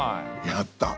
やった！